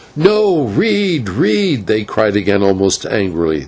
"No; read, read," they cried again, almost angrily.